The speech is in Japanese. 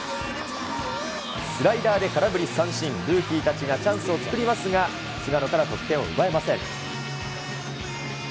スライダーで空振り三振、ルーキーたちがチャンスを作りますが、菅野から得点を奪えません。